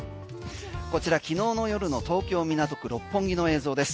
こちら昨日の夜の東京・港区六本木の映像です。